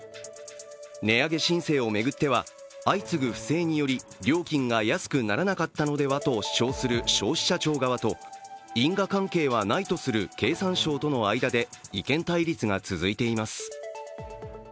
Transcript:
値上げ申請を巡っては相次ぐ不正により料金が安くならなかったのではと主張する消費者庁側と、因果関係はないとする経産省との間で意見対立が続いています。